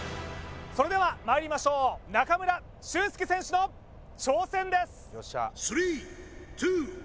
それではまいりましょう中村俊輔選手の挑戦です！